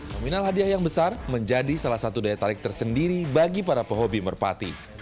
nominal hadiah yang besar menjadi salah satu daya tarik tersendiri bagi para pehobi merpati